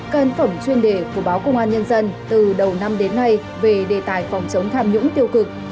căn phẩm chuyên đề của báo công an nhân dân từ đầu năm đến nay về đề tài phòng chống tham nhũng tiêu cực